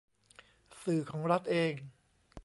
สื่อของรัฐเอง